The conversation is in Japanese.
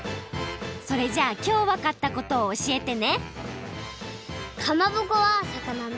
それじゃあきょうわかったことをおしえてね。